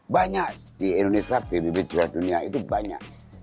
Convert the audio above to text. banyak di indonesia bbb jawa dunia itu banyak